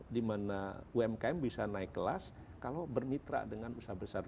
dimana umkm bisa naik kelas kalau bermitra dengan usaha besar